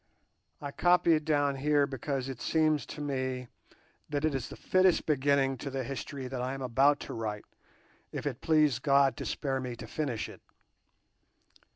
I copy it down here because it seems to me that it is the fittest beginning to the history that I am about to write, if it please God to spare me to finish it.